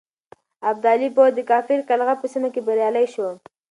ابدالي پوځ د کافر قلعه په سيمه کې بريالی شو.